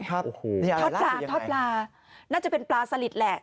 ทอดปลาทอดปลาน่าจะเป็นปลาสลิดแหละ